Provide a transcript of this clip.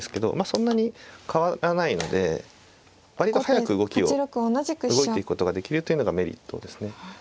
そんなに変わらないので割と早く動きを動いていくことができるというのがメリットですね。